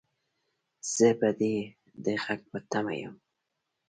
زه به دې د غږ په تمه يم